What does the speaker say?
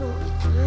oh nggak ada